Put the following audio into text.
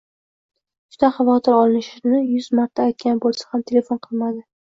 juda xavotir olishini yuz marta aytgan bo‘lsa ham telefon qilmadi.